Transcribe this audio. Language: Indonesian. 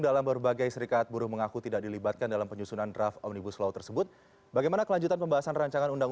selamat malam pak mirza cnn